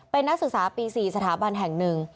เป็นนักศึกษาปี๔สถาบันแห่งหนึ่ง